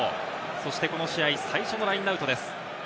そしてこの試合、最初のラインアウトです。